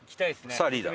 さあリーダー。